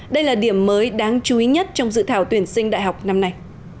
đây là điểm mới đáng chú ý nhất trong dự thảo tuyển sinh đại học năm nay